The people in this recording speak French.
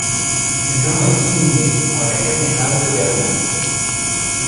Jean est inhumé en la cathédrale de Berlin.